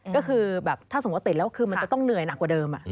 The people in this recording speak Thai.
ก็คือแบบถ้าสมมุติติดแล้วคือมันจะต้องเหนื่อยหนักกว่าเดิม